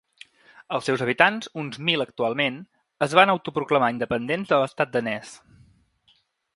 Els seus habitants, uns mil actualment, es van autoproclamar independents de l’estat danès.